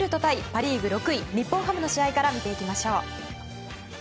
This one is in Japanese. パ・リーグ６位日本ハムの試合から見ていきましょう。